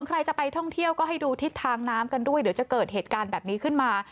ใครจะไปท่องเที่ยวก็ให้ดูทิศทางน้ำกันด้วยเดี๋ยวจะเกิดเหตุการณ์แบบนี้ขึ้นมา